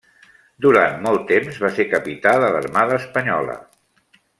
Durant molt temps va ser Capità de l'Armada espanyola.